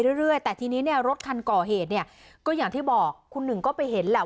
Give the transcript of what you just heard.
เรื่อยแต่ทีนี้เนี่ยรถคันก่อเหตุเนี่ยก็อย่างที่บอกคุณหนึ่งก็ไปเห็นแหละ